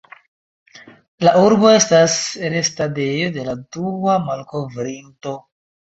La urbo estas restadejo de la dua malkovrinto.